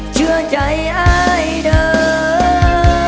เชื่อใจอายเด้อ